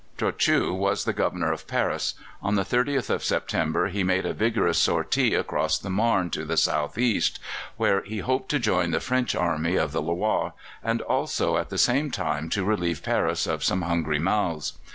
Trochu was the Governor of Paris. On the 30th of September he made a vigorous sortie across the Marne, to the south east, where he hoped to join the French army of the Loire, and also at the same time to relieve Paris of some hungry mouths.